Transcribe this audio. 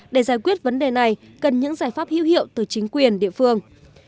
để giải quyết vấn đề này cần những giải pháp hữu hiệu từ chính quyền địa phương